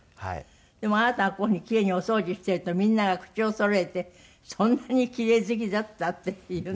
でもあなたがこういう風にキレイにお掃除してるとみんなが口をそろえて「そんなにキレイ好きだった？」って言うんですって？